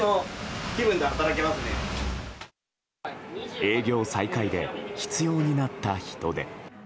営業再開で必要になった人手。